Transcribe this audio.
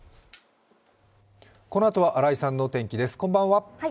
このあとは新井さんの天気です、こんばんは。